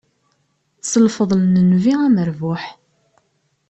S lfeḍl n Nnbi amerbuḥ.